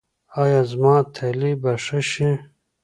ایا زما تلي به ښه شي؟